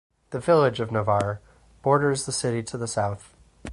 The village of Navarre borders the city to the south.